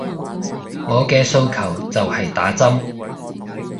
我嘅訴求就係打針